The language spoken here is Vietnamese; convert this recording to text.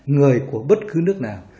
người của bất cứ nước nào